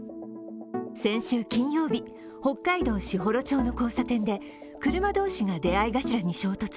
先週金曜日、北海道士幌町の交差点で車同士が出会い頭に衝突。